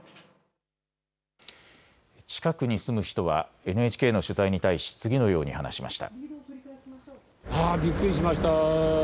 近くに住む人はＮＨＫの取材に対し次のように話しました。